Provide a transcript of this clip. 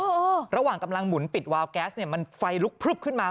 ระหว่างกำลังหมุนปิดวาวแก๊สเนี่ยมันไฟลุกพลึบขึ้นมา